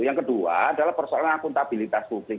yang kedua adalah persoalan akuntabilitas publik